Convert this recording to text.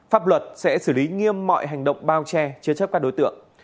pháp luật sẽ xử lý nghiêm mọi hành động bao che chứa chấp các đối tượng